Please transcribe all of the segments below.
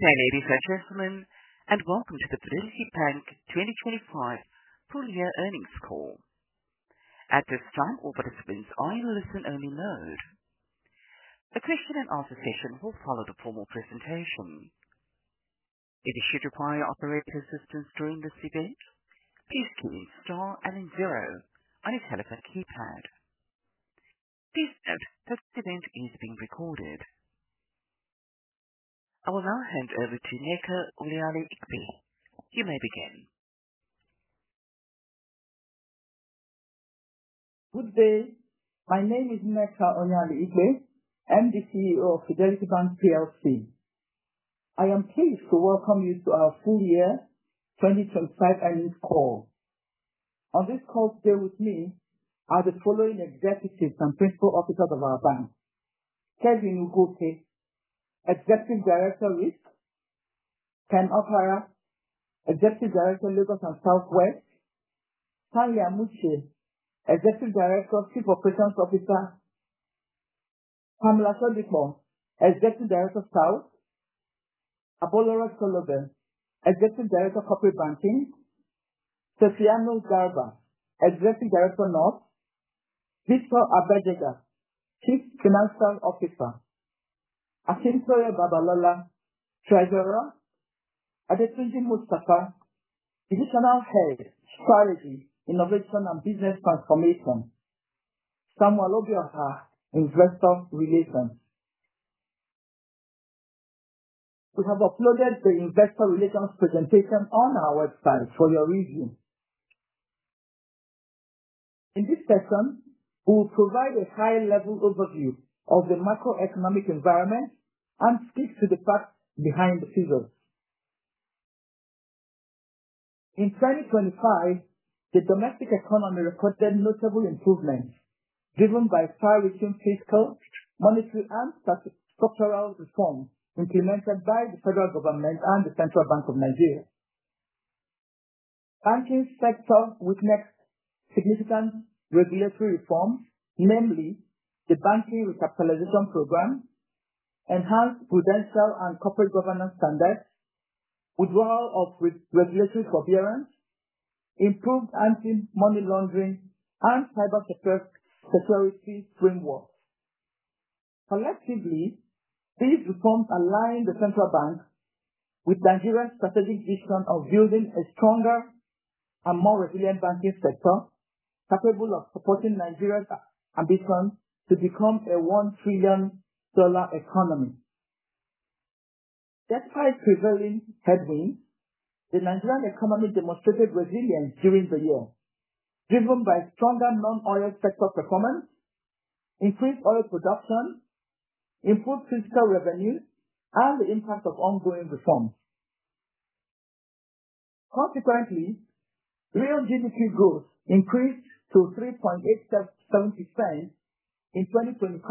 Good ladies and gentlemen, and welcome to the Fidelity Bank 2025 Full Year Earnings Call. At this time our participants are on listen-only mode. Question and answer session will follow the presentation. If you require assistance during this meeting, please press star then zero on your telephone keypad. Please note that this event is being recorded. I will now hand over to Nneka Onyeali-Ikpe. You may begin. Good day. My name is Nneka Onyeali-Ikpe. I'm the CEO of Fidelity Bank PLC. I am pleased to welcome you to our full year 2025 earnings call. On this call today with me are the following executives and principal officers of our bank. Kevin Ugwuoke, Executive Director, Risk. Kenneth Opara, Executive Director, Lagos and Southwest. Stanley Amuchie, Executive Director, Chief Operations Officer. Pamela Shodipo, Executive Director, South. Abolore Solebo, Executive Director, Corporate Banking. Hassan Imam, Executive Director, North. Victor Abejegah, Chief Financial Officer. Akintoye Babalola, Treasurer. Adetunji Mustafa, Divisional Head, Strategy, Innovation, and Business Transformation. Samuel Obioha, Investor Relations. We have uploaded the investor relations presentation on our website for your review. In this session, we will provide a high-level overview of the macroeconomic environment and speak to the facts behind the figures. In 2025, the domestic economy recorded notable improvements driven by far-reaching fiscal, monetary, and structural reforms implemented by the federal government and the Central Bank of Nigeria. Banking sector witnessed significant regulatory reforms, namely the banking recapitalization program, enhanced prudential and corporate governance standards, withdrawal of regulatory forbearance, improved anti-money laundering, and cybersecurity framework. Collectively, these reforms align the Central Bank with Nigeria's strategic vision of building a stronger and more resilient banking sector, capable of supporting Nigeria's ambition to become a NGN 1 trillion economy. Despite prevailing headwinds, the Nigerian economy demonstrated resilience during the year, driven by stronger non-oil sector performance, increased oil production, improved fiscal revenue, and the impact of ongoing reforms. Real GDP growth increased to 3.87% in 2025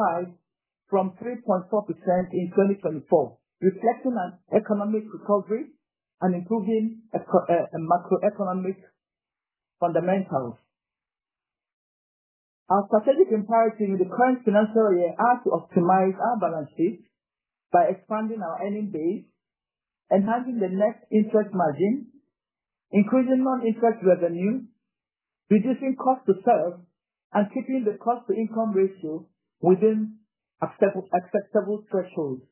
from 3.4% in 2024, reflecting an economic recovery and improving macroeconomic fundamentals. Our strategic imperative in the current financial year are to optimize our balance sheet by expanding our earning base, enhancing the net interest margin, increasing non-interest revenue, reducing cost to serve, and keeping the cost-to-income ratio within acceptable thresholds.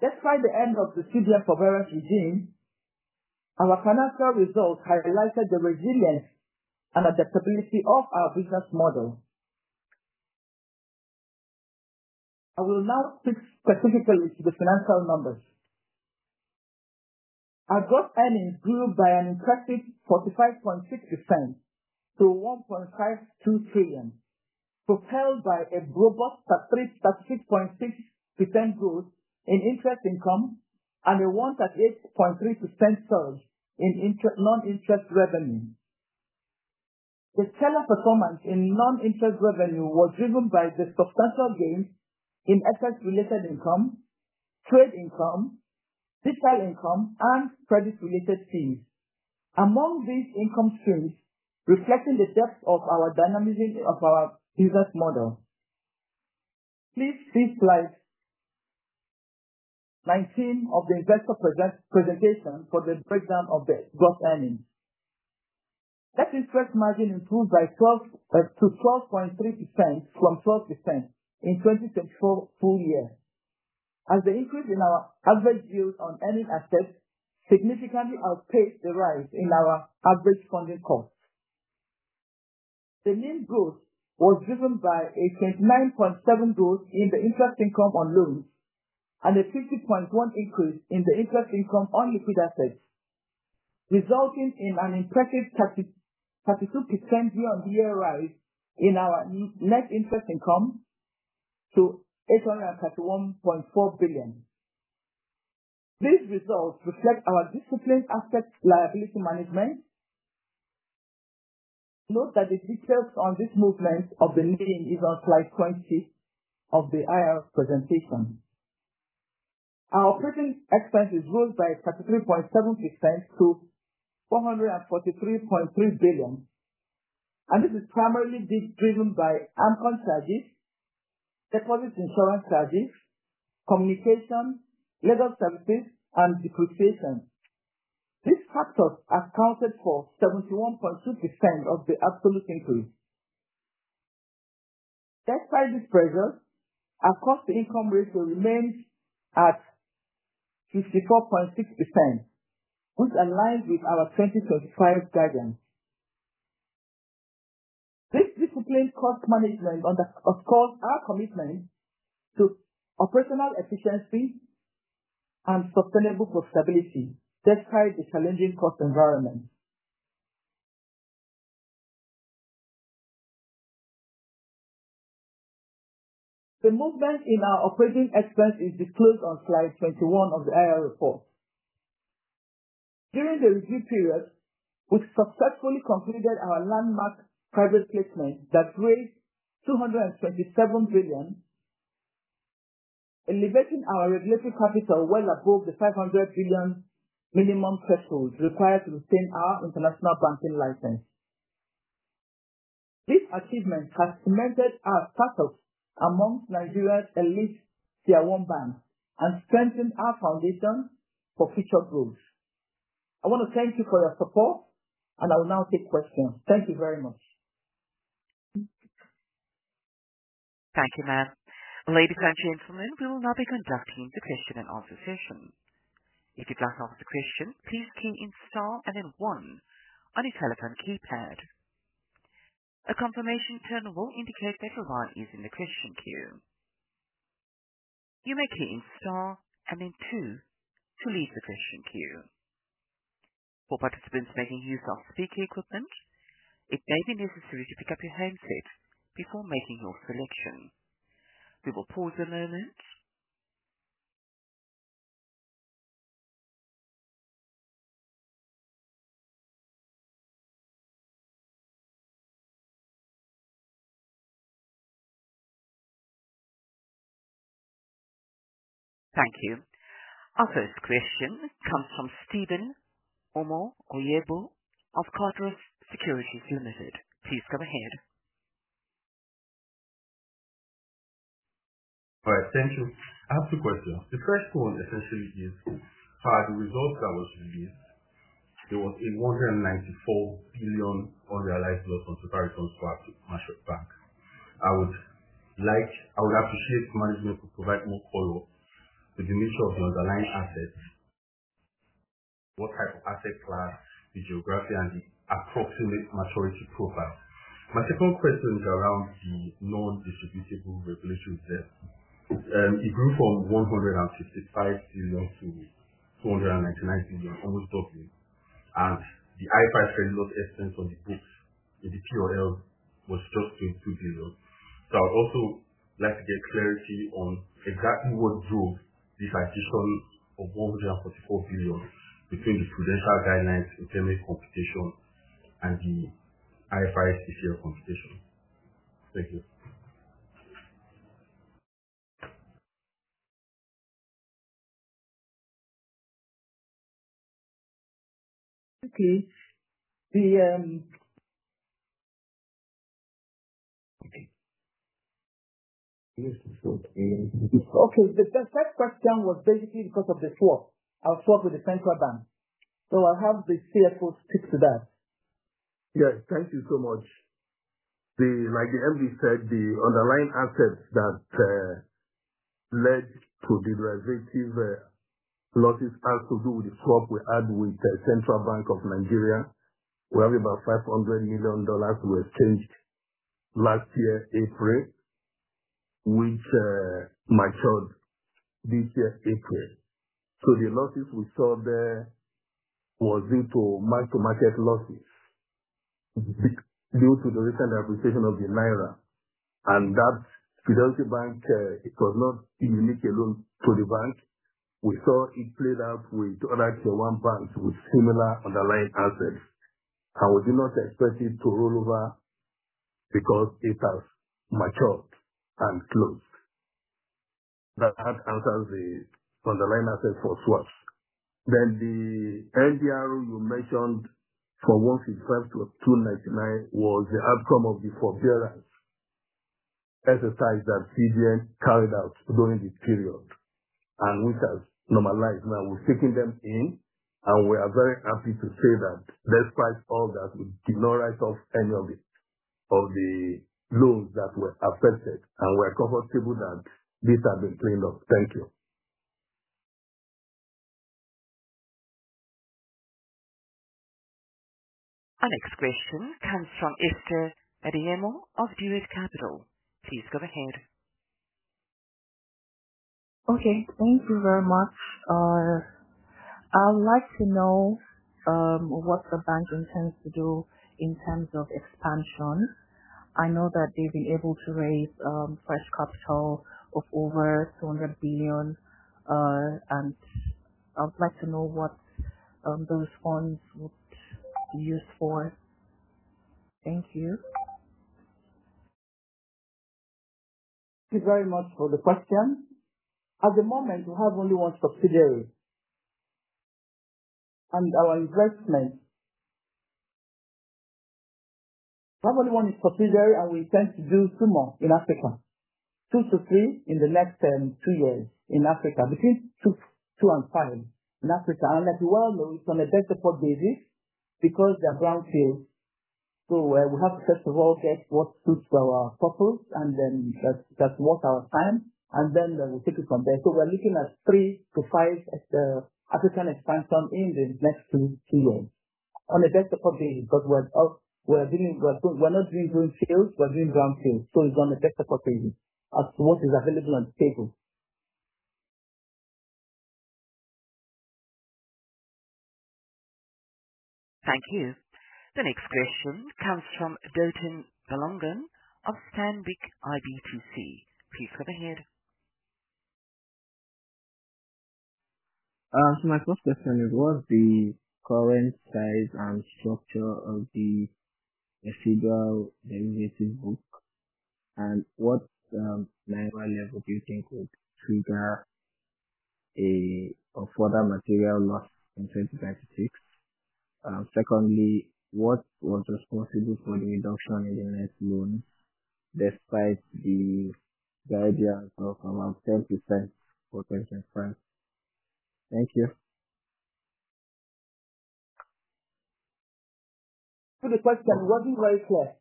Despite the end of the CBN forbearance regime, our financial results highlighted the resilience and adaptability of our business model. I will now speak specifically to the financial numbers. Our gross earnings grew by an impressive 45.6% to 1.52 trillion, propelled by a robust 36.6% growth in interest income and a 1.3% surge in non-interest revenue. The stellar performance in non-interest revenue was driven by the substantial gains in assets related income, trade income, digital income, and credit-related fees, among these income streams reflecting the depth of our dynamism of our business model. Please see slide 19 of the investor presentation for the breakdown of the gross earnings. Net interest margin improved to 12.3% from 12% in 2024 full year, as the increase in our average yields on earning assets significantly outpaced the rise in our average funding costs. The main growth was driven by a 29.7 growth in the interest income on loans and a 50.1 increase in the interest income on liquid assets, resulting in an impressive 32% year-on-year rise in our net interest income to 831.4 billion. These results reflect our disciplined asset liability management. Note that the details on this movement of the loan is on slide 20 of the IR presentation. Our operating expenses rose by 33.7% to 443.3 billion. This is primarily being driven by AMCON charges, deposit insurance charges, communication, legal services, and depreciation. These factors accounted for 71.2% of the absolute increase. Despite this pressure, our cost-to-income ratio remains at 54.6%, which aligns with our 2025 guidance. This disciplined cost management underscores our commitment to operational efficiency and sustainable profitability despite the challenging cost environment. The movement in our operating expense is disclosed on slide 21 of the annual report. During the review period, we successfully completed our landmark private placement that raised 227 billion, elevating our regulatory capital well above the 500 billion minimum threshold required to retain our international banking license. This achievement has cemented our status among Nigeria's elite Tier 1 banks and strengthened our foundation for future growth. I want to thank you for your support. I will now take questions. Thank you very much. Thank you, ma'am. Ladies and gentlemen, we will now be conducting the question and answer session. If you want to ask a question key in star then one on the telephone keypad. A confirmation tone will indicate your line is on the question queue. You may press star two to leave the question queue. We will pause a moment. Thank you. Our first question comes from Stephen Omoleyebo of CardinalStone Securities Limited. Please go ahead. All right. Thank you. I have two questions. The first one essentially is, per the results that was released, there was a 194 billion unrealized loss on currency swap with Central Bank. I would like to see if management could provide more color with the nature of the underlying assets, what type of assets class, the geography, and the approximate maturity profile. My second question is around the non-distributable regulatory reserve. It grew from 155 billion to 299 billion, almost doubling. The IFRS loss expense on the books in the P&L was just 22 billion. I would also like to get clarity on exactly what drove this addition of 144 billion between the prudential guidelines internally computation and the IFRS internal computation. Thank you. Okay. The first question was basically because of the swap, our swap with the Central Bank. I'll have the CFO speak to that. Yes. Thank you so much. Like the MD said, the underlying assets that led to the derivative losses has to do with the swap we had with Central Bank of Nigeria, where about $500 million were changed last year, April, which matured this year, April. The losses we saw there was due to mark-to-market losses due to the recent appreciation of the Naira. That Fidelity Bank, it was not unique alone to the bank. We saw it played out with other Tier 1 banks with similar underlying assets, and we do not expect it to roll over because it has matured and closed. That answers the underlying asset for swaps. The NDR you mentioned from 165-299 was the outcome of the forbearance exercise that CBN carried out during the period, and which has normalized. Now we're taking them in, and we are very happy to say that despite all that, we did not write off any of it or the loans that were affected, and we're comfortable that these have been cleaned up. Thank you. Our next question comes from Esther Adeyemo of Direct Capital. Please go ahead. Okay. Thank you very much. I would like to know what the bank intends to do in terms of expansion. I know that they've been able to raise fresh capital of over 200 billion. I would like to know what those funds would be used for. Thank you. Thank you very much for the question. At the moment, we have only one subsidiary. We have only one subsidiary, and we intend to do two more in Africa. Two to three in the next two years in Africa. Between two and five in Africa. As you well know, it's on a best effort basis because they're brownfields. We have to first of all get what suits our purpose and then just work our time, and then we'll take it from there. We're looking at three to five African expansion in the next two years on a best effort basis, because we're not doing greenfield, we're doing brownfield. It's on a best effort basis as to what is available and stable. Thank you. The next question comes from Dotun Balogun of Stanbic IBTC. Please go ahead. My first question is, what's the current size and structure of the derivative book? What level do you think would trigger a further material loss in 2026? Secondly, what was responsible for the reduction in net loans despite the guidance of around 10% for 2025? Thank you. The question wasn't very clear.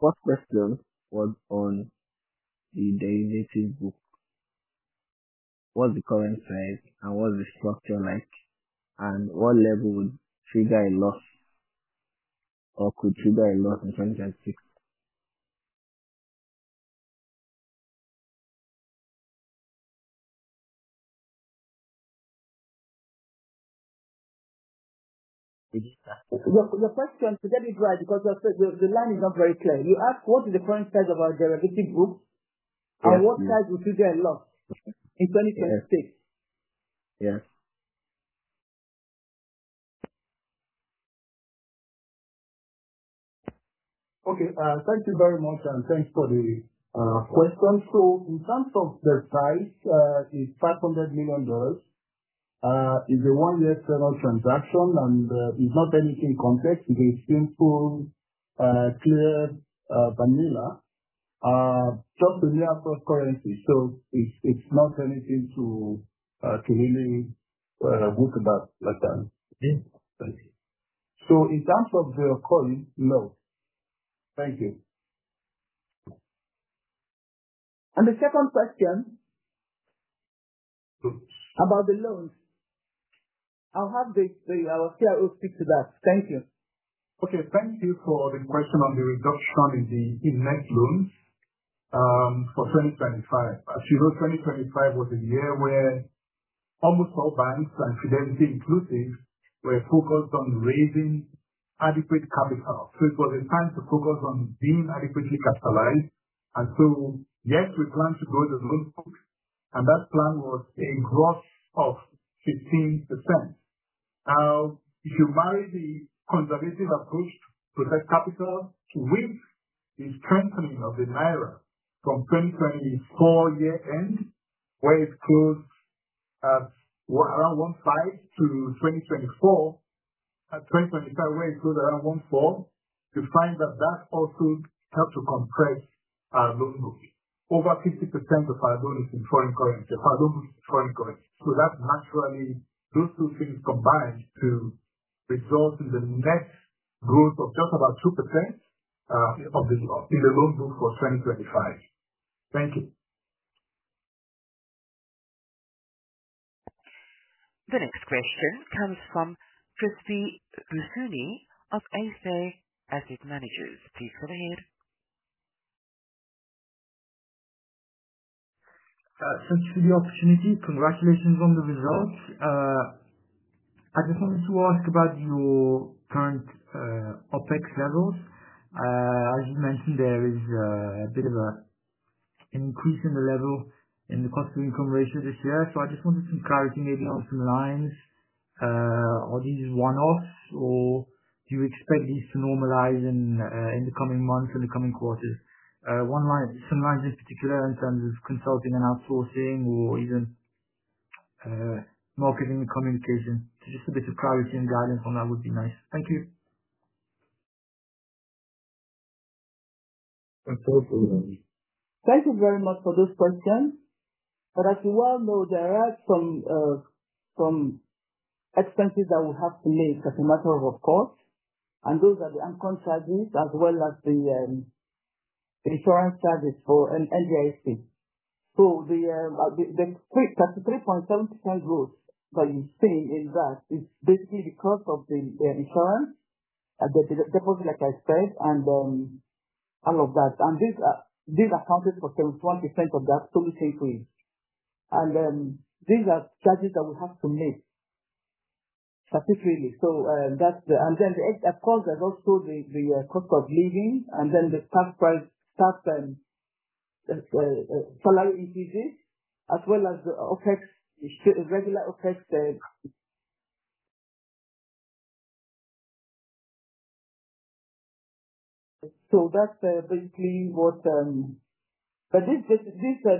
First question was on the derivative book. What is the current size and what is the structure like, and what level would trigger a loss or could trigger a loss in 2026? Did you get that? Your question, to tell you the truth, because the line is not very clear. You asked what is the current size of our derivative book and what size would trigger a loss in 2026. Yes. Okay. Thank you very much, and thanks for the question. In terms of the size, it's $500 million. It's a one-year term transaction, it's not anything complex. It is simple, clear, vanilla. Just a naira cross-currency. It's not anything to really worry about right now. Okay. Thank you. In terms of the call, no. Thank you. The second question. Loans? About the loans. I'll have the CFO speak to that. Thank you. Okay. Thank you for the question on the reduction in net loans for 2025. As you know, 2025 was a year where almost all banks, and Fidelity inclusive, were focused on raising adequate capital. It was a time to focus on being adequately capitalized. Yes, we planned to grow the loan book, and that plan was a growth of 15%. If you marry the conservatism approach to that capital with the strengthening of the Naira from 2024 year-end, where it closed at around 1.5 to 2024, at 2025, where it closed around 1.4, you find that that also helped to compress our loan book. Over 50% of our loan book is in foreign currency. That naturally, those two things combined to result in the net growth of just about 2% in the loan book for 2025. Thank you. The next question comes from Christie Olsunbo of ASA Asset Managers. Please go ahead. Thanks for the opportunity. Congratulations on the results. I just wanted to ask about your current OpEx levels. As you mentioned, there is a bit of an increase in the level in the cost-to-income ratio this year. I just wanted some clarity maybe on some lines. Are these one-offs or do you expect these to normalize in the coming months, in the coming quarters? One line, some lines in particular in terms of consulting and outsourcing or even marketing and communication. Just a bit of clarity and guidance on that would be nice. Thank you. Thanks for the question. Thank you very much for this question. As you well know, there are some expenses that we have to make as a matter of course, and those are the AMCON charges as well as the insurance charges for NDIC. The 33.7% growth that you're seeing is that, it's basically the cost of the insurance, the deposit, like I said, and all of that. These accounted for 21% of that NGN 263. These are charges that we have to make specifically. Then, of course, there's also the cost of leasing and then the staff salary increases, as well as OpEx, regular OpEx. This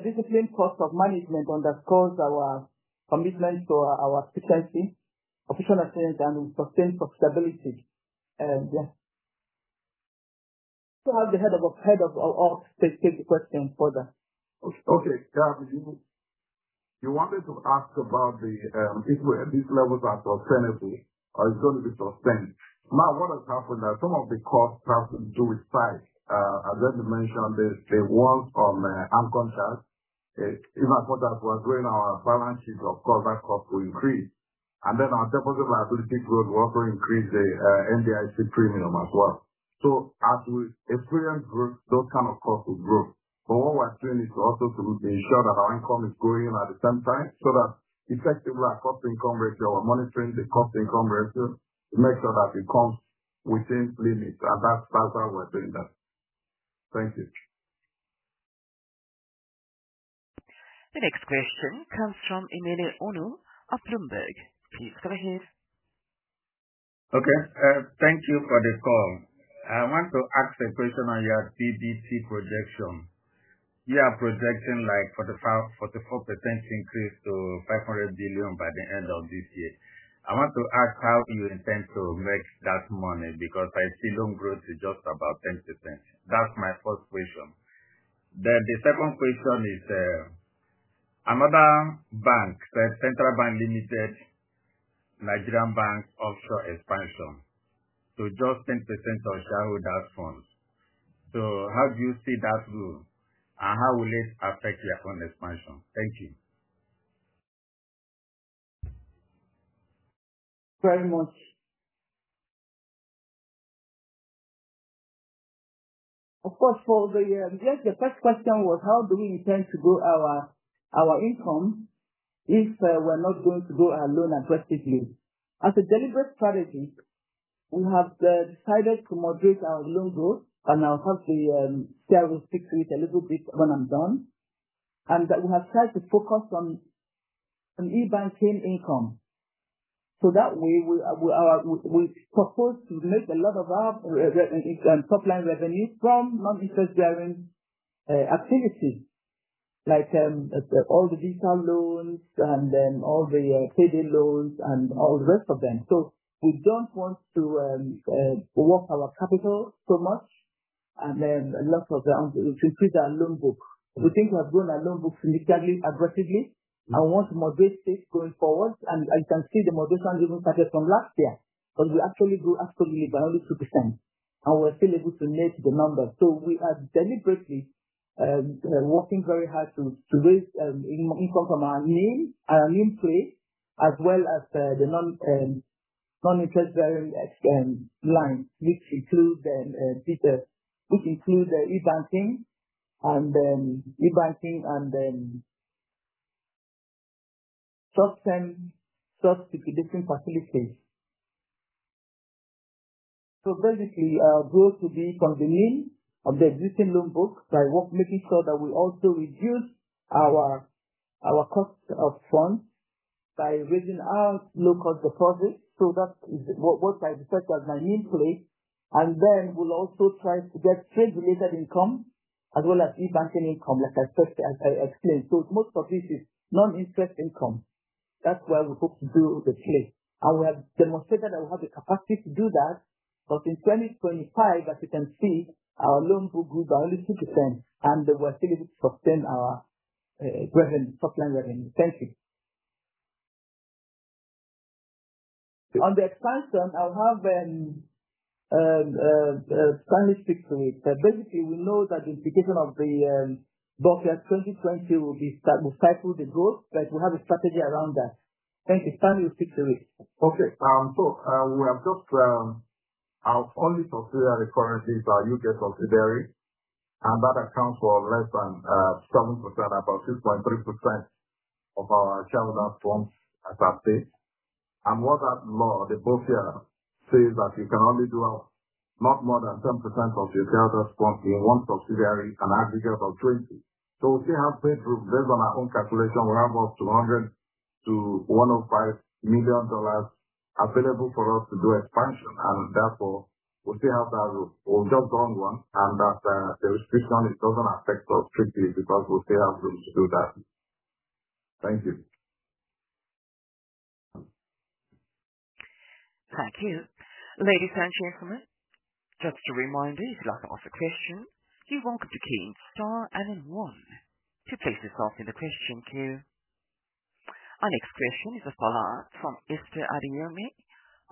disciplined cost of management underscores our commitment to our efficiency, operational excellence, and sustained profitability. Yeah. I'll have the head of IR take the question further. You wanted to ask about if these levels are sustainable or it's going to be sustained. What has happened is some of the costs have to do with size. As Eddie mentioned, there's a war on AMCON. If I put that war during our balance sheet, of course, that cost will increase. Our deposit liability growth will also increase the NDIC premium as well. As we experience growth, those kind of costs will grow. What we're doing is also to ensure that our income is growing at the same time so that effectively our cost-to-income ratio, we're monitoring the cost-to-income ratio to make sure that it comes within limits. That's far how we're doing that. Thank you. The next question comes from Emeka Onwu of Bloomberg. Please go ahead. Okay. Thank you for the call. I want to ask a question on your PBT projection. You are projecting like 44% increase to 500 billion by the end of this year. I want to ask how you intend to make that money, because I see loan growth is just about 10%. That's my first question. The second question is, another bank, Central Bank of Nigeria limits, Nigerian bank, offshore expansion to just 10% of shareholders' funds. How do you see that rule, and how will it affect your own expansion? Thank you. Very much. Of course, for the, I guess, the first question was how do we intend to grow our income if we're not going to grow our loan aggressively. As a deliberate strategy, we have decided to moderate our loan growth, and I'll have the COO speak to it a little bit when I'm done, and that we have tried to focus on e-banking income. That way, we propose to make a lot of our top-line revenues from non-interest-driven activities. Like all the retail loans and then all the payday loans and all the rest of them. We don't want to work our capital so much and then a lot of the increase our loan book. We think we have grown our loan books significantly aggressively and want to moderate it going forward. You can see the moderation even started from last year, because we actually grew by only 2%, and we're still able to meet the numbers. We are deliberately working very hard to raise income from our main play as well as the non-interest-bearing lines, which include the e-banking and then short-term deposit facilities. Basically, our growth will be from the main existing loan book by work making sure that we also reduce our cost of funds by raising our low-cost deposits. That is what I refer to as my main play. Then we'll also try to get trade-related income as well as e-banking income, like I explained. It's most of it is non-interest income. That's where we hope to do the trade. We have demonstrated that we have the capacity to do that, because in 2025, as you can see, our loan book grew by only 2%, and we were still able to sustain our top line revenue. Thank you. On the expansion, I'll have Stanley speak to it. Basically, we know that the implication of the BOFIA 2020 will cycle the growth, but we have a strategy around that. Thank you. Stanley will speak to it. We have just our only subsidiary currently is our U.K. subsidiary, and that accounts for less than 7%, about 6.3% of our shareholders' funds as at date. What that law, the BOFIA says that you can only do up not more than 10% of your shareholders' funds in one subsidiary, an aggregate of 20%. We still have headroom. Based on our own calculation, we have up to $100 million-$105 million available for us to do expansion, and therefore, we still have that room. We've just done one, and that restriction, it doesn't affect us strictly because we still have room to do that. Thank you. Thank you. Ladies and gentlemen, just a reminder, if you'd like to ask a question, you're welcome to key star and one to place yourself in the question queue. Our next question is Asfala from Esther Adeyemo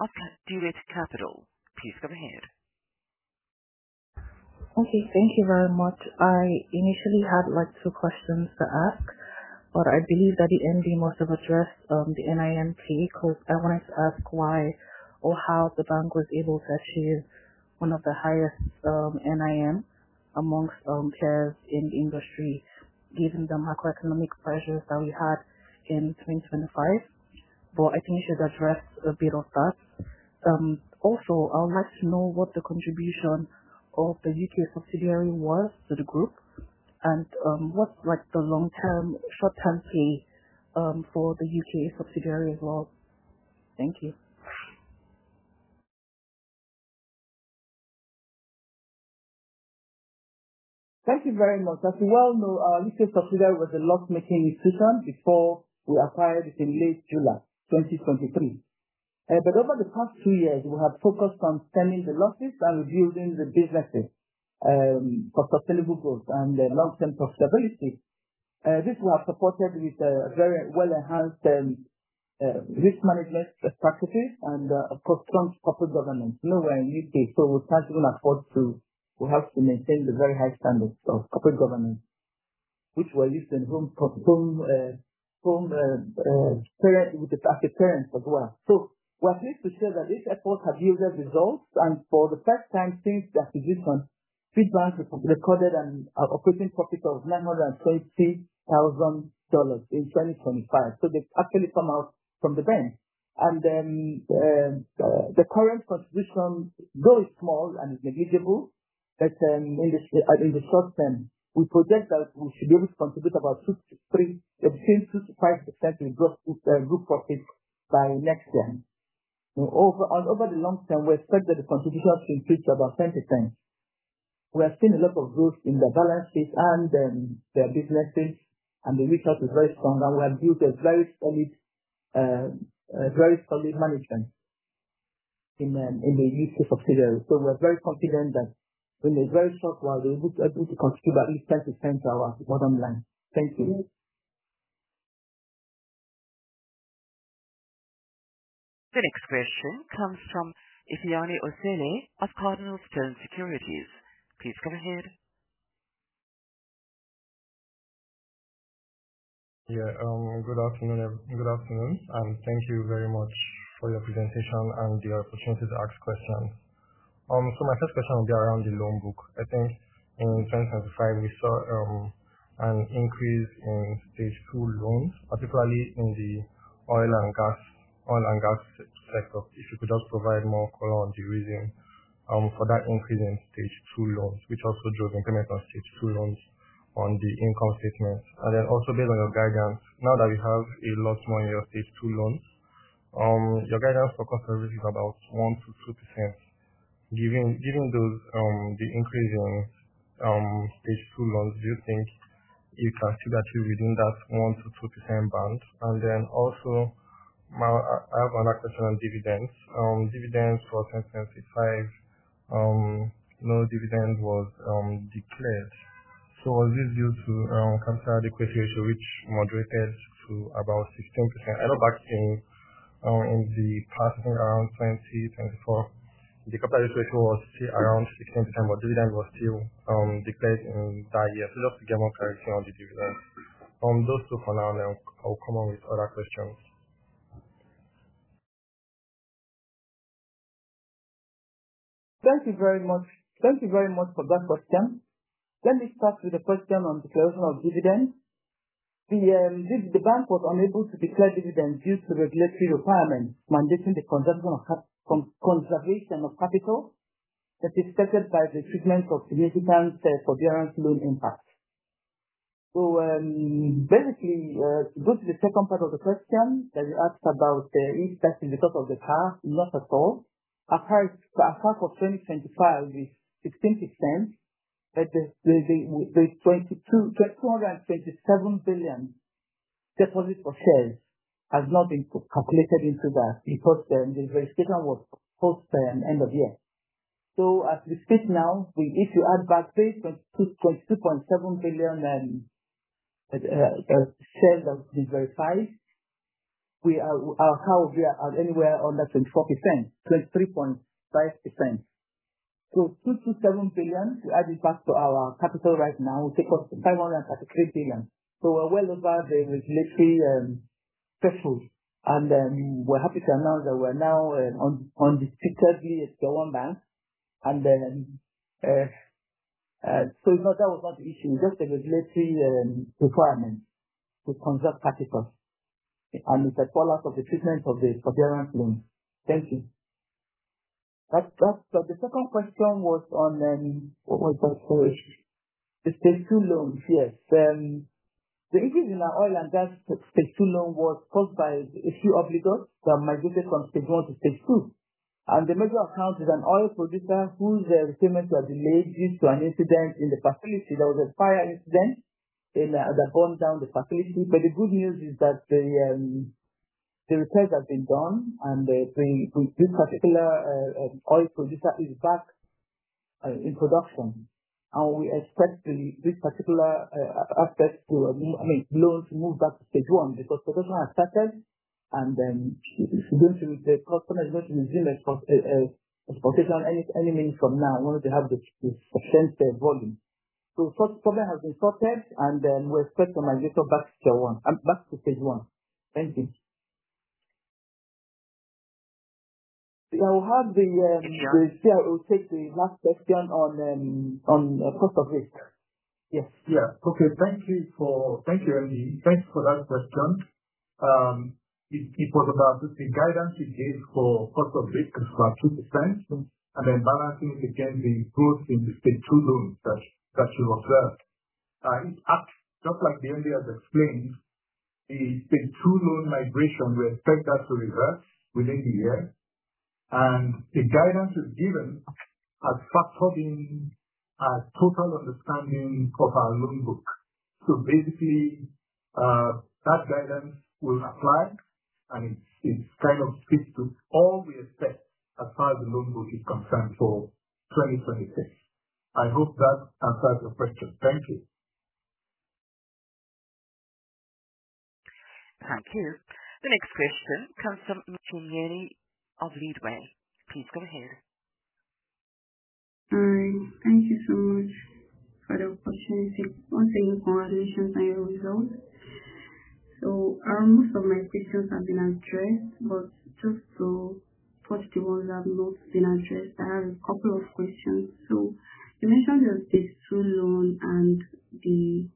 of Direct Capital. Please go ahead. Okay. Thank you very much. I initially had like two questions to ask. I believe that the MD must have addressed the NIM because I wanted to ask why or how the bank was able to achieve one of the highest NIM amongst peers in the industry, given the macroeconomic pressures that we had in 2025. I think she has addressed a bit of that. I would like to know what the contribution of the U.K. subsidiary was to the group. And what's the long-term, short-term pay for the U.K. subsidiary as well? Thank you. Thank you very much. As you well know, our U.K. subsidiary was a loss-making institution before we acquired it in late July 2023. Over the past two years, we have focused on stemming the losses and rebuilding the businesses for sustainable growth and long-term profitability. This we have supported with very well-enhanced risk management practices and, of course, strong corporate governance. We are in U.K., We have to maintain the very high standards of corporate governance, which were used in home parent as well. We are pleased to share that these efforts have yielded results, and for the first time since the acquisition, this bank recorded an operating profit of GBP 930,000 in 2025. They've actually come out from the bank. The current contribution, though it's small and it's negligible, but in the short term, we project that we should be able to contribute between 2%-5% in group profit by next year. Over the long term, we expect that the contribution to increase to about 10%. We have seen a lot of growth in their balance sheet and their businesses, and the reach out is very strong. We have built a very solid management in the U.K. subsidiary. We are very confident that in a very short while, they will be able to contribute at least 10% to our bottom line. Thank you. The next question comes from Ifeanyi Osele of CardinalStone Securities. Please go ahead. Good afternoon. Thank you very much for your presentation and the opportunity to ask questions. My first question will be around the loan book. I think in 2025, we saw an increase in Stage 2 loans, particularly in the oil and gas sector. If you could just provide more color on the reason for that increase in Stage 2 loans, which also drove incremental Stage 2 loans on the income statement. Based on your guidance, now that you have a lot more in your Stage 2 loans, your guidance for coverage is about 1%-2%. Given the increase in Stage 2 loans, do you think you can still achieve within that 1%-2% band? I have another question on dividends. Dividends for 2025, no dividend was declared. Was this due to capital adequacy ratio, which moderated to about 16%? I know back in the past, around 2024, the capital adequacy ratio was still around 16%, but dividend was still declared in that year. Just to get more clarification on the dividend. Those two for now, and then I'll come up with other questions. Thank you very much for that question. Let me start with the question on declaration of dividend. The bank was unable to declare dividend due to regulatory requirements mandating the conservation of capital as affected by the treatment of significant forbearance loan impact. Basically, to go to the second part of the question that you asked about impact in the drop in the CAR, not at all. At half of 2025, it was 16%, but the 227 billion deposit for shares has not been calculated into that because the verification was post end of year. As we speak now, if you add back the 22.7 billion in shares that we verified, we are anywhere under 24%, 23.5%. 227 billion, to add it back to our capital right now, will take us to 543 billion. We're well over the regulatory threshold, and we're happy to announce that we're now undisputedly a Tier 1 bank. No, that was not the issue. Just the regulatory requirement to conserve capital and the fallout of the treatment of the forbearance loans. Thank you. The second question was on the Stage 2 loans. Yes. The increase in our oil and gas Stage 2 loan was caused by a few obligors that migrated from Stage 1 to Stage 2. The major account is an oil producer whose payments were delayed due to an incident in the facility. There was a fire incident that burned down the facility. The good news is that the repairs have been done, and this particular oil producer is back in production. We expect this particular loan to move back to Stage 1 because production has started, and according to the customer, he's going to resume export any minute from now, we want to have the full volume. That problem has been sorted, and we expect to migrate back to Stage 1. Thank you. I will take the last question on cost of risk. Yes. Thank you, Eni. Thanks for that question. It's important that the guidance we gave for cost of risk was 2%. Balancing again the improvement in the Stage 2 loans that you observed. Just like Biondi has explained, the Stage 2 loan migration, we expect that to reverse within the year. The guidance we've given has factored in our total understanding of our loan book. Basically, that guidance will apply. It kind of speaks to all we expect as far as the loan book is concerned for 2026. I hope that answers your question. Thank you. Thank you. The next question comes from Makeni of Leadway. Please go ahead. Hi. Thank you so much for the opportunity. Once again, congratulations on your results. Most of my questions have been addressed, but just to push the ones that have not been addressed, I have a couple of questions. You mentioned your Stage 2 loan and the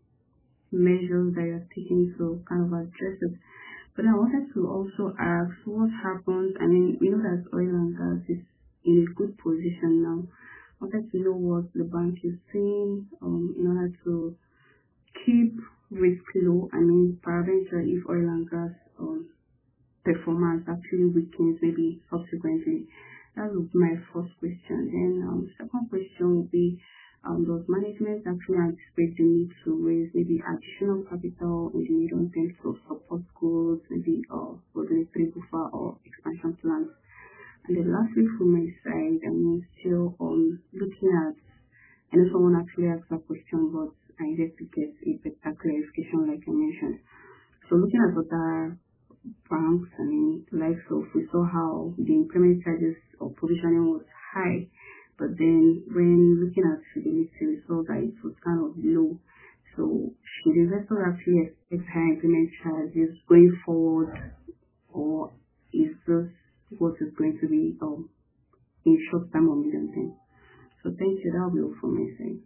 measures that you're taking to kind of address it. I wanted to also ask what happens, and we know that oil and gas is in a good position now. I wanted to know what the bank is seeing in order to keep risk low and prevent if oil and gas performance actually weakens maybe subsequently. That would be my first question. Second question will be, does management actually anticipate the need to raise maybe additional capital in the medium term to support goals, maybe, or for the three, four, or expansion plans? Lastly from my side, still on looking at. I know someone actually asked that question, but I need to get a clarification like you mentioned. Looking at other banks and the likes of, we saw how the impairment charges or provisioning was high, but then when looking at Fidelity results, it was kind of low. Should investors actually expect higher impairment charges going forward, or is this what is going to be in short term or medium term? Thank you. That will be all from my side.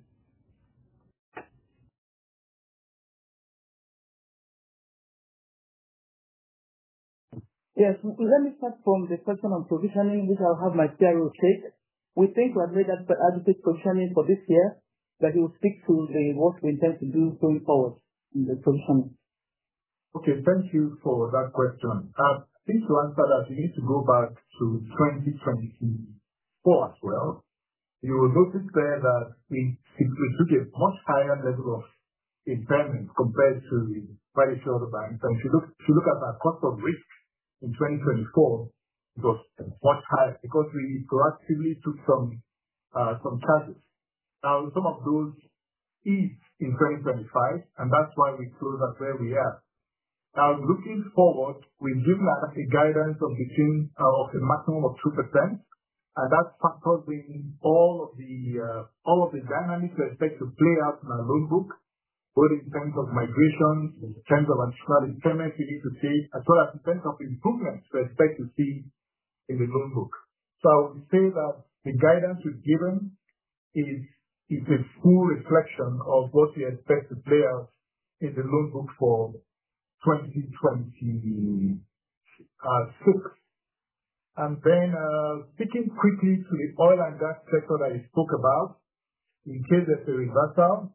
Yes. Let me start from the question on provisioning, which I'll have my CRO take. We think we have made adequate provisioning for this year, but he will speak to the work we intend to do going forward in the provisioning. Okay. Thank you for that question. I think to answer that, we need to go back to 2024 as well. You will notice there that we took a much higher level of impairment compared to quite a few other banks. If you look at our cost of risk in 2024, it was much higher because we proactively took some charges. Some of those eased in 2025, and that's why we saw that where we are. Looking forward, we've given out a guidance of between a maximum of 2%, and that's factoring all of the dynamics we expect to play out in our loan book, both in terms of migrations, in terms of additional impairments we need to see, as well as in terms of improvements we expect to see in the loan book. We say that the guidance we've given is a full reflection of what we expect to play out in the loan book for 2026. Then, speaking quickly to the oil and gas sector that you spoke about in case there's a reversal.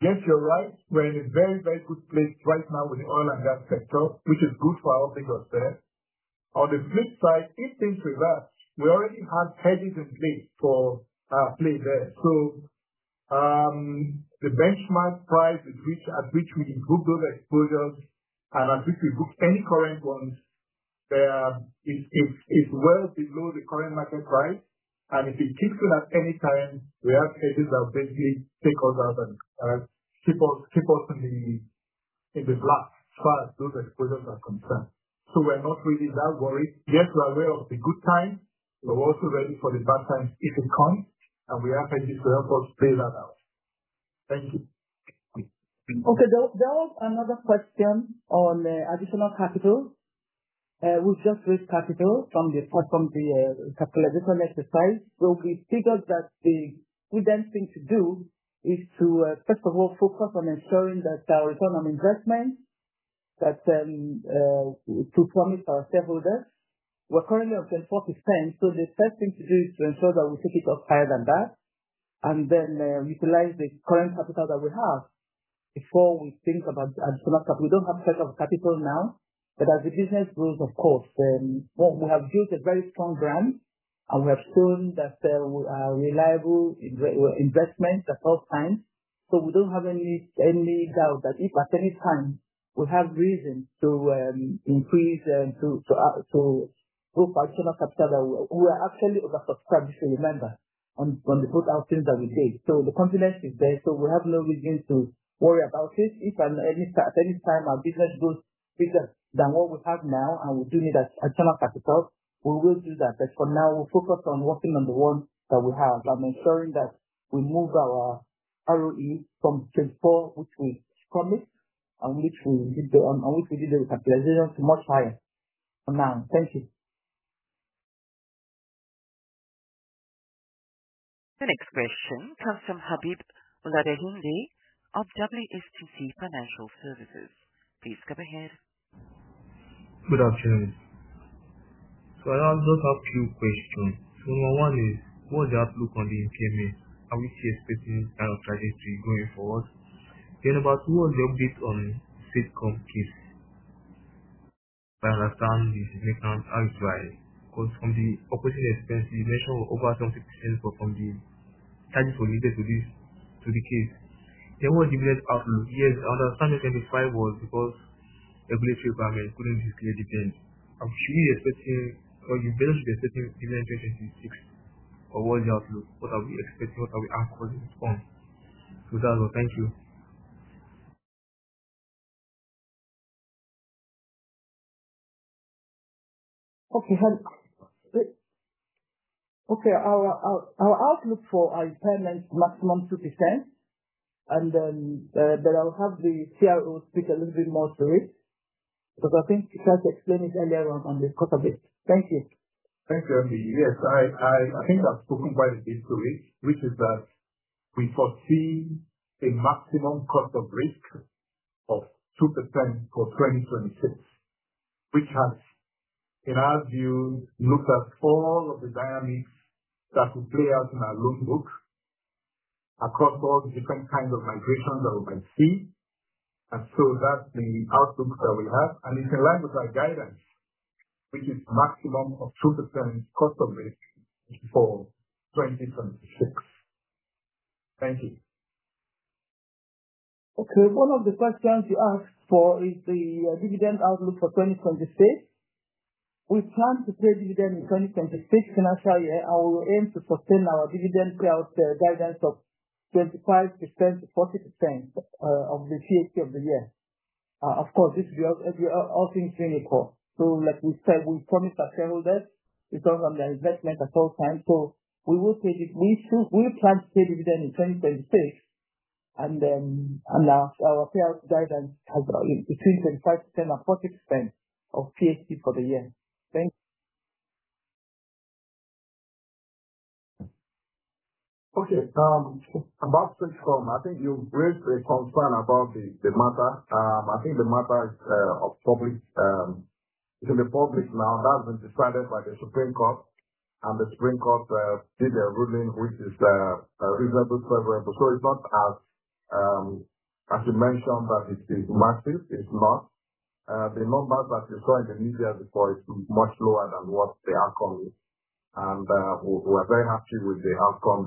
Yes, you're right. We're in a very good place right now with the oil and gas sector, which is good for all things out there. On the flip side, if things reverse, we already have hedges in place for play there. The benchmark price at which we book those exposures and at which we book any current ones there, it's well below the current market price. If it kicks in at any time, we have hedges that will basically take us up and keep us in the black as far as those exposures are concerned. We're not really that worried. Yes, we are aware of the good times, but we're also ready for the bad times if it comes, and we have hedges to help us play that out. Thank you. Okay. There was another question on additional capital. We just raised capital from the capital additional exercise. We figured that the prudent thing to do is to, first of all, focus on ensuring that our return on investment, to promise our shareholders. We're currently at 10.4%, the first thing to do is to ensure that we take it up higher than that, and then utilize the current capital that we have before we think about additional capital. We don't have a set of capital now, as the business grows, of course. We have built a very strong brand, and we have shown that we are a reliable investment at all times. We don't have any doubt that if at any time we have reason to book additional capital, we are actually oversubscribed, if you remember, on the book outings that we did. The confidence is there. We have no reason to worry about it. If at any time our business grows bigger than what we have now, and we do need additional capital, we will do that. For now, we're focused on working on the one that we have and ensuring that we move our ROE from 24, which we promised and which we did the recapitalization, to much higher amount. Thank you. The next question comes from Habib Balogun of WSTC Financial Services. Please go ahead Good afternoon. I just have two questions. Number one is, what's the outlook on the NPL? Are we still expecting that trajectory going forward? Number two, what's your bit on Seplat case? I understand the significant outright, because from the operating expense, you mentioned over 160 billion charges related to the case. What's the dividend outlook? I understand in 2025 was because regulatory requirements couldn't declare dividends. Are we really expecting or you're basically expecting dividend in 2026 or what's the outlook? What are we expecting? What are we anchoring on? With that note, thank you. Okay. Our outlook for our impairment is maximum 2%, and then I'll have the CRO speak a little bit more to it because I think he tried to explain it earlier on and he spoke of it. Thank you. Thank you, MD. I think I've spoken quite a bit to it, which is that we foresee a maximum cost of risk of 2% for 2026, which has, in our view, looked at all of the dynamics that will play out in our loan book across all the different kinds of migrations that we might see. That's the outlook that we have. It's in line with our guidance, which is maximum of 2% cost of risk for 2026. Thank you. Okay. One of the questions you asked for is the dividend outlook for 2026. We plan to pay dividend in 2026 financial year. We aim to sustain our dividend payout guidance of 25%-40% of the PAT of the year. Of course, this is all things being equal. Like we said, we promise our shareholders returns on their investment at all times. We will plan to pay dividend in 2026 and our payout guidance between 25% and 40% of PAT for the year. Thank you. Okay. About Seplat, I think you raised a concern about the matter. I think the matter is in the public now. That's been decided by the Supreme Court, and the Supreme Court gave their ruling, which is reasonable, favorable. It's not as you mentioned that it is massive. It's not. The number that you saw in the media before is much lower than what the outcome is. We're very happy with the outcome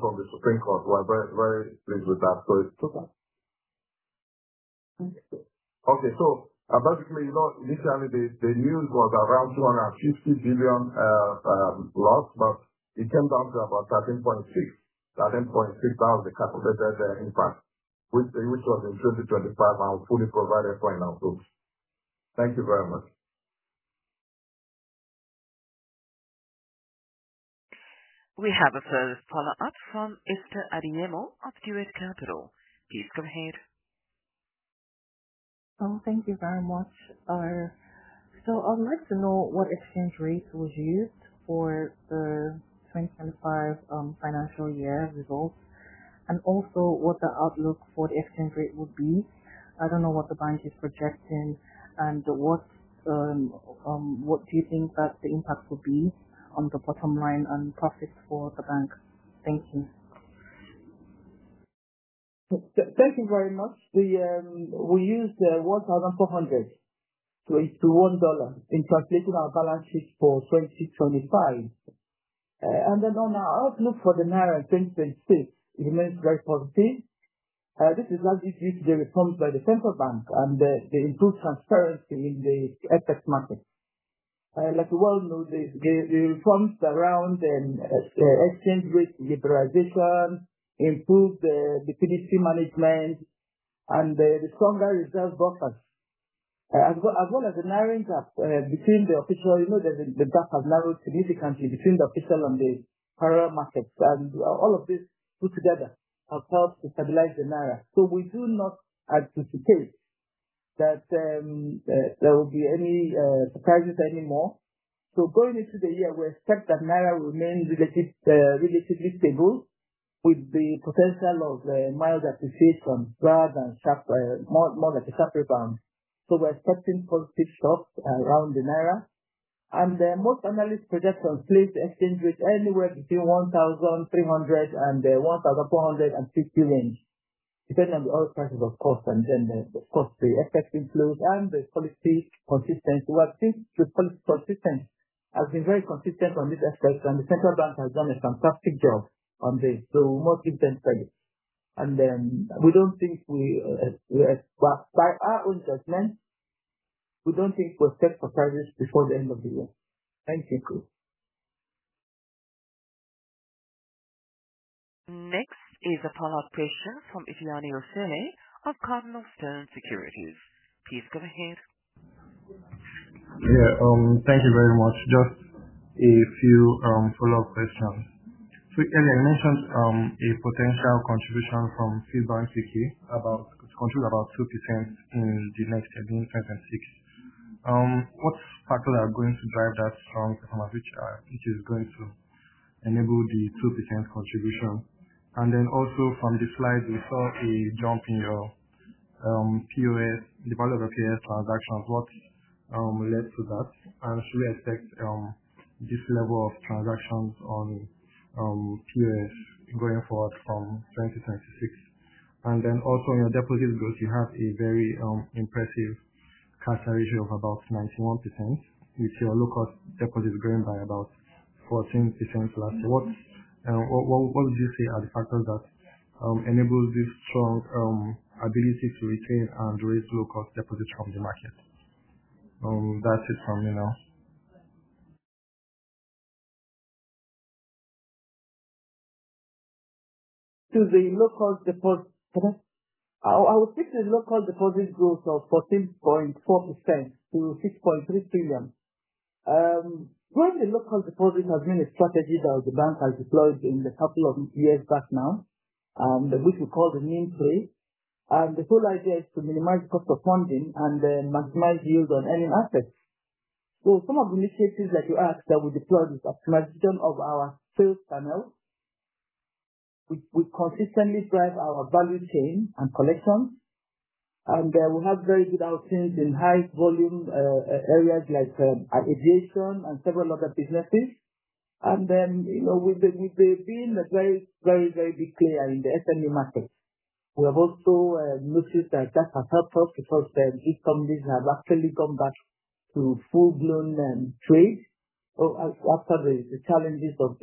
from the Supreme Court. We're very pleased with that. Okay. Basically, initially the news was around NGN 250 billion loss, but it came down to about 13.6 billion calculated impact, which was in 2025 and fully provided for in our books. Thank you very much. We have our first follow-up from Esther Adeyemo of Direct Capital. Please go ahead. Thank you very much. I'd like to know what exchange rate was used for the 2025 financial year results and also what the outlook for the exchange rate would be. I don't know what the bank is projecting and what do you think that the impact would be on the bottom line and profits for the bank? Thank you. Thank you very much. We used 1,400 to 1 dollar in translating our balance sheet for 2025. On our outlook for the naira in 2026, it remains very positive. This is largely due to the reforms by the Central Bank and the improved transparency in the FX market. Like you well know, the reforms around exchange rate liberalization improved the liquidity management and the stronger reserve buffers. The narrowing gap between the official, you know the gap has narrowed significantly between the official and the parallel markets. Put together has helped to stabilize the naira. We do not anticipate that there will be any surprises anymore. Going into the year, we expect that naira will remain relatively stable with the potential of mild appreciation rather than more like a sharp rebound. We're expecting positive shocks around the naira. Most analysts project on place exchange rate anywhere between 1,300-1,450 range, depending on the oil prices, of course. Then of course, the FX inflows and the policy consistency. We have seen the policy consistency has been very consistent on this aspect, and the Central Bank has done a fantastic job on this. We must give them credit. By our own judgment, we don't think we expect surprises before the end of the year. Thank you. Next is a follow-up question from Iyanu Osoye of CardinalStone Securities. Please go ahead. Yeah. Thank you very much. Just a few follow-up questions. Earlier you mentioned a potential contribution from Fidelity Bank U.K., which contributes about 2% in the next, I mean, 2026. What factors are going to drive that strong performance, which is going to enable the 2% contribution? Also from the slides, we saw a jump in your volume of POS transactions. What led to that, and should we expect this level of transactions on POS going forward from 2026? Also on your deposit growth, you have a very impressive current ratio of about 91%, with your local deposits growing by about 14% last year. What do you say are the factors that enable this strong ability to retain and raise local deposits from the market? That's it from me now. To the local deposit. Pardon? I will pick the local deposit growth of 14.4% to 6.3 trillion. Growing the local deposit has been a strategy that the bank has deployed in the couple of years back now, which we call the main play. The whole idea is to minimize cost of funding and then maximize yield on earning assets. Some of the initiatives that you asked that we deployed is optimization of our sales channels, which will consistently drive our value chain and collections. We have very good outings in high volume areas like aviation and several other businesses. We've been a very big player in the SME market. We have also noticed that that has helped us because these companies have actually come back to full-blown trade after the challenges of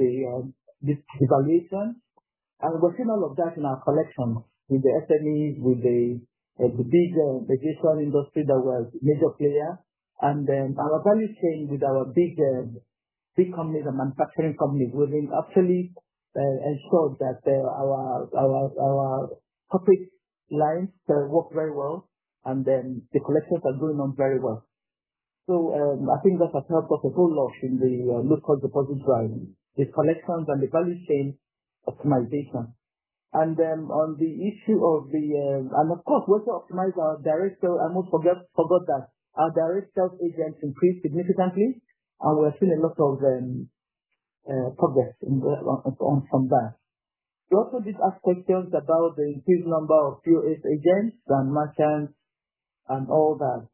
this devaluation. We're seeing all of that in our collections with the SMEs, with the big aviation industry that was a major player, and then our value chain with our big companies and manufacturing companies. We've actually ensured that our top lines work very well, and then the collections are going on very well. I think that has helped us a whole lot in the local deposit drive, the collections and the value chain optimization. Of course, we also optimized our direct sales. I almost forgot that. Our direct sales agents increased significantly, and we are seeing a lot of progress from that. You also did ask questions about the increased number of POS agents and merchants and all that.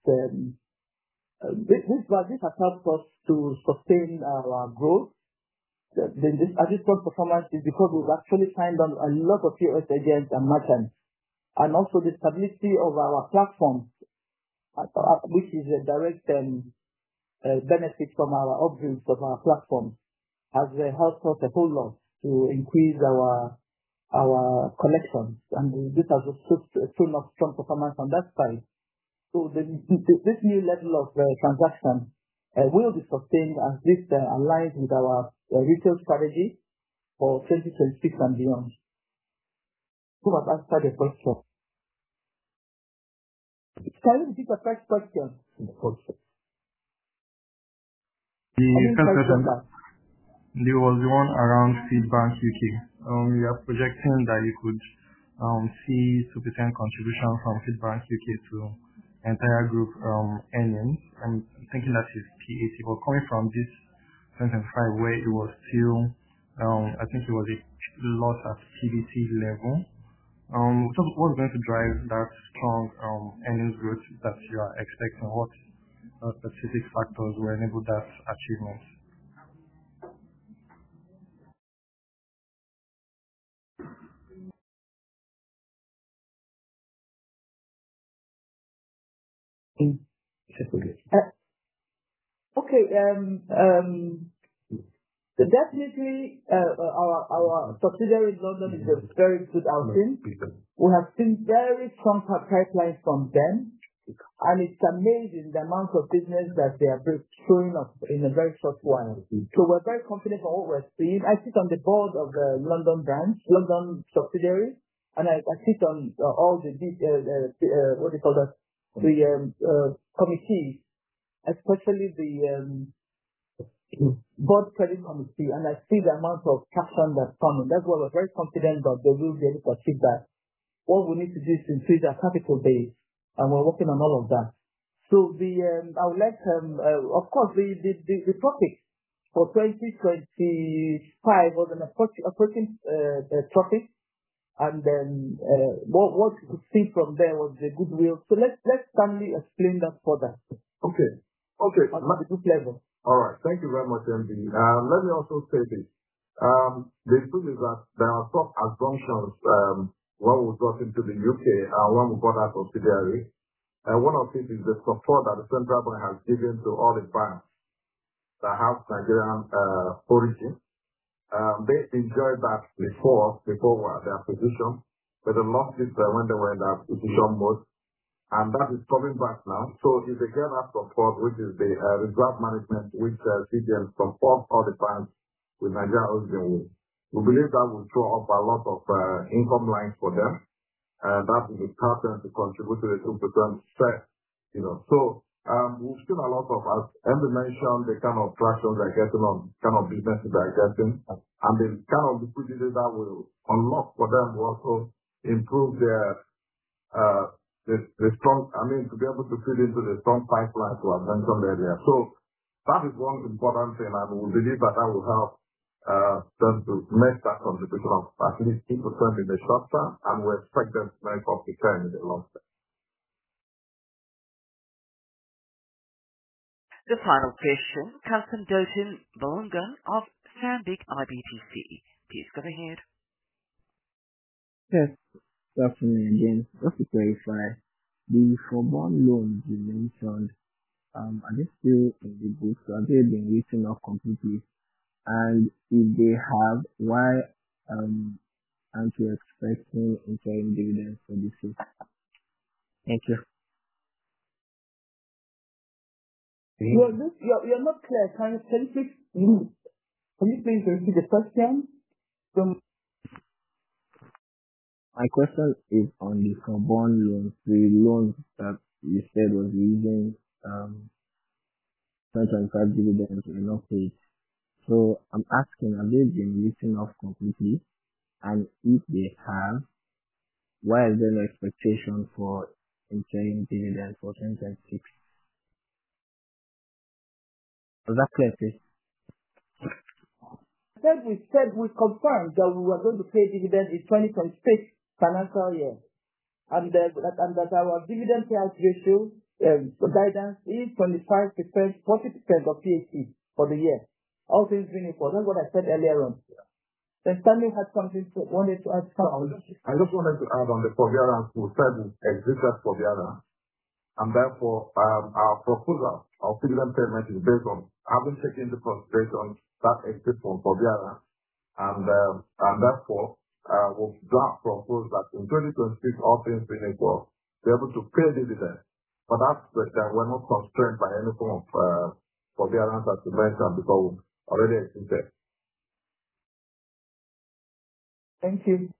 This has helped us to sustain our growth. The additional performance is because we've actually signed on a lot of POS agents and merchants. Also the stability of our platforms, which is a direct benefit from our upgrades of our platforms, has helped us a whole lot to increase our collections. This has shown a strong performance on that side. This new level of transaction will be sustained as this aligns with our retail strategy for 2026 and beyond. Who has asked that the first question? Can you repeat the first question? The first question. There was one around Fidelity Bank U.K.. You are projecting that you could see 2% contribution from Fidelity Bank U.K. to entire group earnings. I'm thinking that is PAT. Coming from this 2025 where it was still, I think it was a loss at PBT level. What's going to drive that strong earnings growth that you are expecting? What specific factors will enable that achievement? Okay. Definitely, our subsidiary in London is a very good outing. We have seen very strong pipelines from them, and it's amazing the amount of business that they have been showing us in a very short while. We're very confident with what we're seeing. I sit on the board of the London branch, London subsidiary, and I sit on all the, what do you call that? Committees, especially the Board Credit Committee, and I see the amount of cash flow that's coming. That's why we're very confident that they will be able to achieve that. What we need to do is increase our capital base, and we're working on all of that. Of course, the topic for 2025 was an approaching topic, and then what we could see from there was the goodwill. Let Stanley explain that further. Okay. At a deeper level. All right. Thank you very much, MB. Let me also say this. The issue is that there are some assumptions when we got into the U.K., when we got our subsidiary. One of it is the support that the Bank of England has given to all the banks that have Nigerian origins. They enjoyed that before the acquisition, but they lost it when they were in the acquisition mode, and that is coming back now. If they get that support, which is the risk management, which CBN supports all the banks with Nigerian origin, we believe that will show up a lot of income lines for them. And that is the inaudible to contribute to the inaudible, you know. We've seen a lot of, as Emeka mentioned, the kind of traction we're getting or the kind of businesses we're getting, and the kind of visibility that will unlock for them will also improve their strong I mean, to be able to fill into the strong pipeline to have been some area. That is one important thing, and we believe that that will help them to make that contribution of at least 10% in the short term, and we expect them to make up to 10% in the long term. The final question comes from Dotun Balogun of Stanbic IBTC. Please go ahead. Yes. Good afternoon again. Just to clarify, the loans you mentioned, are they still in the books or have they been written off completely? If they have, why aren't you expecting interim dividends for this year? Thank you. You're not clear. Can you please repeat the question from? My question is on the inaudible loans, the loans that you said was the reason 2025 dividends were not paid. I'm asking, have they been written off completely? If they have, why is there no expectation for interim dividends for 2026? Is that clear, please? First we said we confirmed that we were going to pay a dividend in 2026 financial year. Our dividend payout ratio guidance is 25%-40% of PAT for the year, all things being equal. That's what I said earlier on. Stanley wanted to add something. I just wanted to add on the forbearance. We said we executed forbearance, and therefore, our proposal of dividend payment is based on having taken into consideration that executed forbearance. Therefore, we draft proposed that in 2026, all things being equal, be able to pay dividend. For that question, we are not constrained by any form of forbearance at the moment because we have already executed it. Thank you.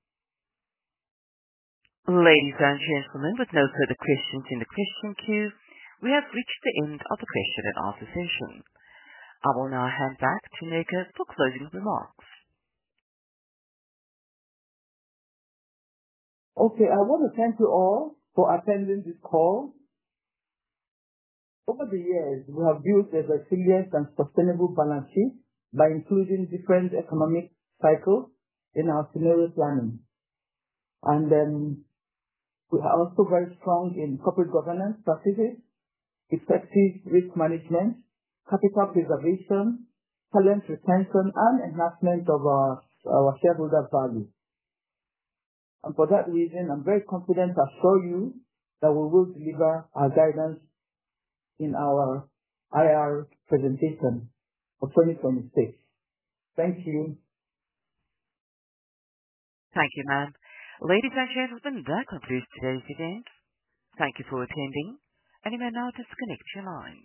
Ladies and gentlemen, with no further questions in the question queue, we have reached the end of the question and answer session. I will now hand back to Nneka for closing remarks. Okay, I want to thank you all for attending this call. Over the years, we have built a resilient and sustainable balance sheet by including different economic cycles in our scenario planning. We are also very strong in corporate governance practices, effective risk management, capital preservation, talent retention, and enhancement of our shareholder value. For that reason, I'm very confident, I assure you that we will deliver our guidance in our IR presentation for 2026. Thank you. Thank you, ma'am. Ladies and gentlemen, that concludes today's event. Thank you for attending. You may now disconnect your line.